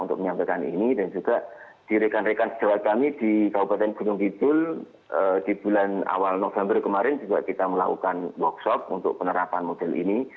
untuk menyampaikan ini dan juga di rekan rekan sejawat kami di kabupaten gunung kidul di bulan awal november kemarin juga kita melakukan workshop untuk penerapan model ini